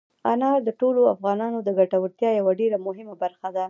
انار د ټولو افغانانو د ګټورتیا یوه ډېره مهمه برخه ده.